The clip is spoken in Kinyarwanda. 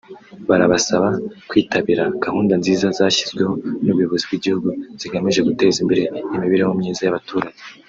Barabasaba kwitabira gahunda nziza zashyizweho n’ubuyobozi bw’igihugu zigamije guteza imbere imibereho myiza y’abaturage